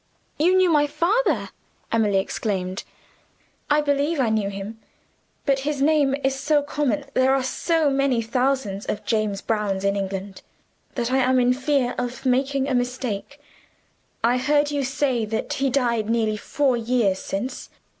"You knew my father!" Emily exclaimed. "I believe I knew him. But his name is so common there are so many thousands of 'James Browns' in England that I am in fear of making a mistake. I heard you say that he died nearly four years since.